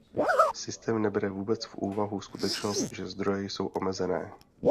Systém nebere vůbec v úvahu skutečnost, že zdroje jsou omezené.